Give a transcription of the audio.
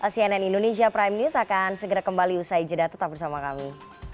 cnn indonesia prime news akan segera kembali usai jeda tetap bersama kami